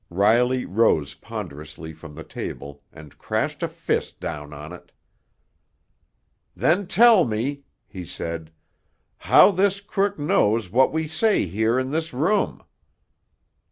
Riley rose ponderously from the table and crashed a fist down on it. "Then tell me," he said, "how this crook knows what we say here in this room!"